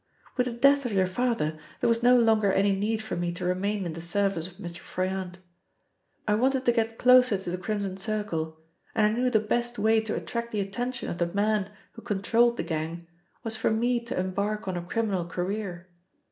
"With the death of your father there was no longer any need for me to remain in the service of Mr. Froyant. I wanted to get closer to the Crimson Circle, and I knew the best way to attract the attention of the man who controlled the gang was for me to embark on a criminal career.